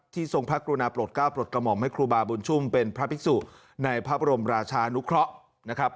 ทรงพระกรุณาโปรดก้าวปลดกระหม่อมให้ครูบาบุญชุ่มเป็นพระภิกษุในพระบรมราชานุเคราะห์นะครับ